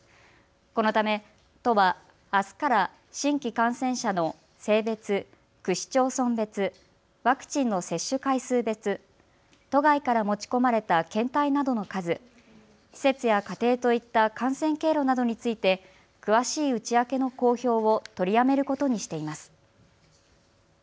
このため都は、あすから新規感染者の性別、区市町村別、ワクチンの接種回数別、都外から持ち込まれた検体などの数、施設や家庭といった感染経路などについて詳しい内訳の公表を取りやめることにしています。